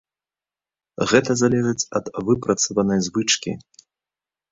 Гэта залежыць ад выпрацаванай звычкі.